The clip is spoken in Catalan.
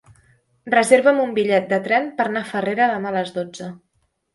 Reserva'm un bitllet de tren per anar a Farrera demà a les dotze.